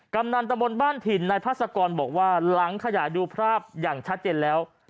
กำนันตะบนบ้านถิ่นนายพัศกรบอกว่าหลังขยายดูภาพอย่างชัดเจนแล้ว